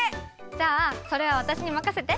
じゃあそれはわたしにまかせて！